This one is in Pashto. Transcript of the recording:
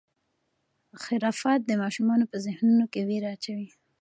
خرافات د ماشومانو په ذهنونو کې وېره اچوي.